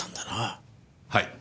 はい。